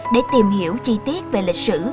để tìm hiểu chi tiết về lịch sử